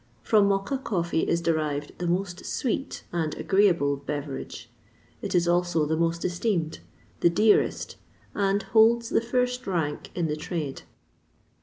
From Mocha coffee is derived the most sweet and agreeable beverage; it is also the most esteemed, the dearest, and holds the first rank in the trade.